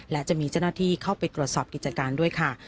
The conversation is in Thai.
และจะมีเจ้าหน้าที่เข้าไปตรวจสอบกิจการด้วยค่ะ